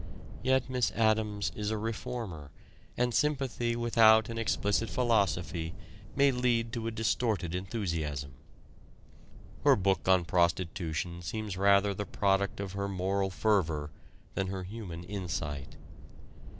Yet Miss Addams is a reformer, and sympathy without an explicit philosophy may lead to a distorted enthusiasm. Her book on prostitution seems rather the product of her moral fervor than her human insight.